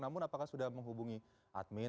namun apakah sudah menghubungi admin